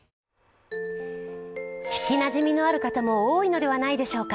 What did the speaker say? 聞きなじみのある方も多いのではないでしょうか。